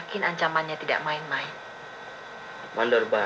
semua cemerlang berkece docok yang men cruceng seseorang dan memeran